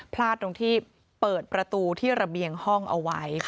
พลาดตรงที่เปิดประตูที่ระเบียงห้องเอาไว้